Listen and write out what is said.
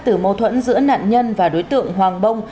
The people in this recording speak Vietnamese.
từ mâu thuẫn giữa nạn nhân và đối tượng hoàng bông